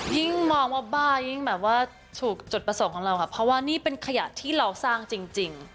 ยิ่งมองว่าบ้ายิ่งแบบว่าถูกจุดประสงค์ของเราค่ะเพราะว่านี่เป็นขยะที่เราสร้างจริง